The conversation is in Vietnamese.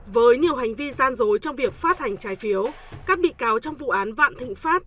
với nhiều hành vi gian dối trong việc phát hành trái phiếu các bị cáo trong vụ án vạn thịnh pháp